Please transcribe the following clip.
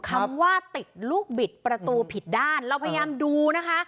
คำว่าติดลูกบิดประตูผิดด้านเราพยายามดูนะคะ